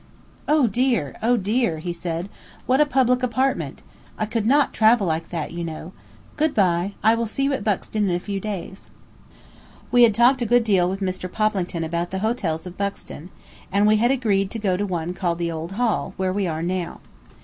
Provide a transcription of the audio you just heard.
"Oh, dear! Oh, dear!" he said. "What a public apartment! I could not travel like that, you know. Good by; I will see you at Buxton in a few days." [Illustration: Mr. Poplington looking for the luggage] We talked a good deal with Mr. Poplington about the hotels of Buxton, and we had agreed to go to one called the Old Hall, where we are now.